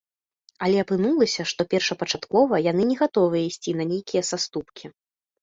Але апынулася, што першапачаткова яны не гатовыя ісці на нейкія саступкі.